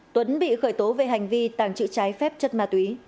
tuấn bị khởi tố về hành vi tàng trữ trái phép chất ma túy